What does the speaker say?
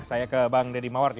saya ke bang deddy mawar